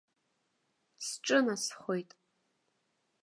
Сҿынасхоит.